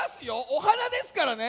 お花ですからね！